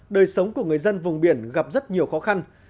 đời sống của người dân vùng biển gặp rất nhiều khó khăn